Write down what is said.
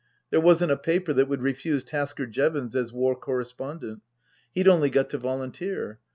There wasn't a paper that would refuse Tasker Jevons as War Correspondent. He'd only got to volunteer.